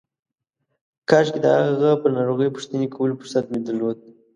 کاشکې د هغه پر ناروغۍ پوښتنې کولو فرصت مې درلود.